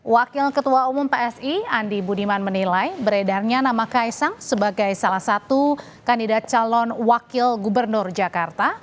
wakil ketua umum psi andi budiman menilai beredarnya nama kaisang sebagai salah satu kandidat calon wakil gubernur jakarta